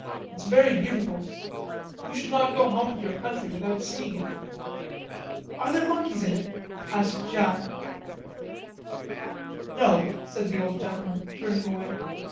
It is very beautiful. You should not go home to your country without seeing it." "Are there monkeys in it?" asked Jeanne. "No," said the old gentleman turning away.